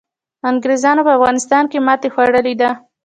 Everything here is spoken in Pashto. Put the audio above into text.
انګریزانو په افغانستان کي ماتي خوړلي ده.